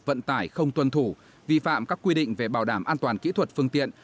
vận tải không tuân thủ vi phạm các quy định về bảo đảm an toàn kỹ thuật phương tiện